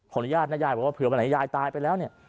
อนุญาตนะยายบอกว่าเผื่อวันไหนยายตายไปแล้วเนี่ย